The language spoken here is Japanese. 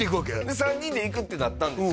３人で行くってなったんですよ